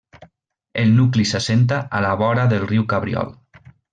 El nucli s'assenta a la vora del riu Cabriol.